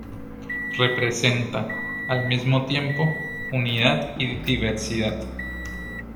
Representa, al mismo tiempo, unidad y diversidad.